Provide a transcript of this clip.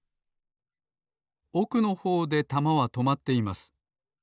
おくのほうでたまはとまっています。